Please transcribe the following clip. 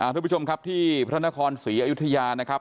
ทุกผู้ชมครับที่พระนครศรีอยุธยานะครับ